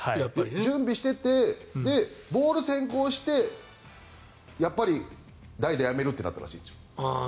準備していて、ボール先行してやっぱり代打やめるってなったらしいですよ。